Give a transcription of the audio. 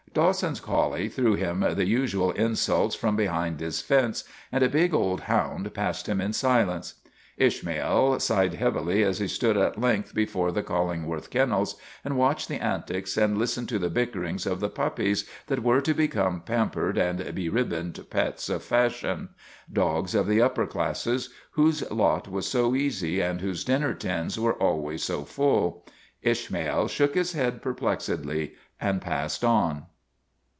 Dawson's collie threw him the usual insults from behind his fence, and a big old hound passed him in silence. Ishmael sighed heavily as he stood at length be fore the Collingworth Kennels and watched the antics and listened to the bickerings of the puppies that were to become pampered and beribboned pets of fashion dogs of the upper classes, whose lot was so easy and whose dinner tins were always so 120 ISHMAEL full. Ishmael shook his head perplexedly and passed on.